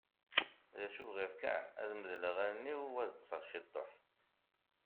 D acu bɣiɣ kan, ad medleɣ allen-iw u ad ṭṭseɣ ciṭuḥ.